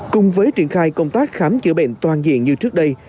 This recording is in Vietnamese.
cùng với triển khai công tác khám chữa bệnh toàn diện như trước đây